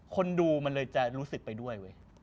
คนดูมันเลยจะรู้สึกไปด้วยเว้ย